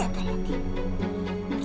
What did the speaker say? kamu sudah merekkyai askarmu avek